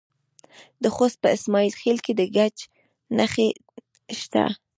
د خوست په اسماعیل خیل کې د ګچ نښې شته.